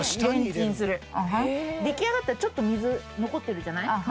出来上がったらちょっと水残ってるじゃない。